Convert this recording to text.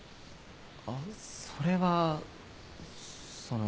あぁそれはその。